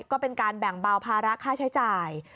ก็เป็นการแบ่งเบาภาระค่าใช้จ่าย